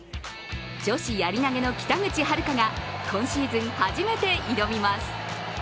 女子やり投の北口榛花が今シーズン初めて挑みます。